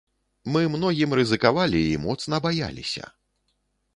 Мы многім рызыкавалі і моцна баяліся.